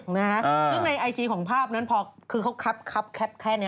นะฮะซึ่งในไอจีของภาพนั้นคือเขาคับแคบแคบแค่นี้